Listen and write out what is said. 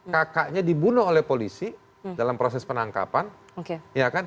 kakaknya dibunuh oleh polisi dalam proses penangkapan